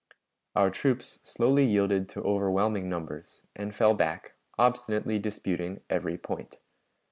Our troops slowly yielded to overwhelming numbers, and fell back, obstinately disputing every point.